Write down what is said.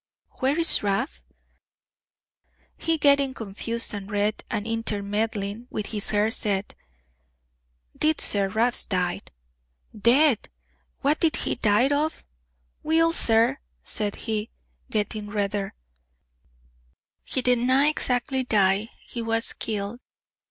"Where's Rab?" He, getting confused and red, and intermeddling with his hair, said, "'Deed sir, Rab's died." "Dead! what did he die of?" "Weel, sir," said he, getting redder, "he didna exactly dee; he was killed.